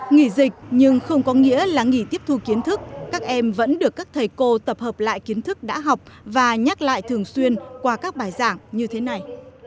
nghỉ dịch nhưng không có nghĩa là nghỉ tiếp thu kiến thức các em vẫn được các thầy cô tập hợp lại kiến thức đã học và nhắc lại thường xuyên qua các bài giảng như thế này